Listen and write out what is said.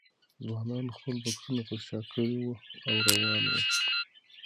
ځوانانو خپل بکسونه پر شا کړي وو او روان وو.